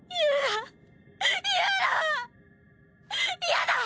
嫌だ！